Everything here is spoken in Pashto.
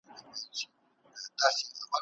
که خویندې کمپیوټر ولري نو معلومات به نه کمیږي.